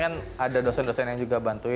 cuman kan ada dosen dosen yang juga bantu